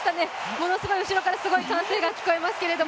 ものすごい後ろからすごい歓声が聞こえますけど。